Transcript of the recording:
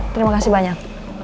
terima kasih banyak